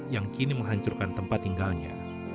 yang kini menghancurkan tempat tinggalnya